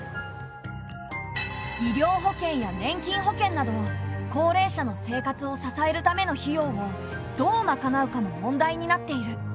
医療保険や年金保険など高齢者の生活を支えるための費用をどうまかなうかも問題になっている。